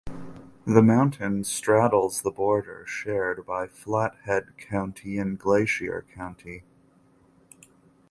The mountain straddles the border shared by Flathead County and Glacier County.